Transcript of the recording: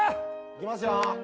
いきますよ